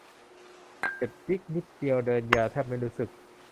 เจ็บจึ๊กนิดเดียว เดินยาแทบไม่รู้สึก